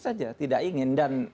saja tidak ingin dan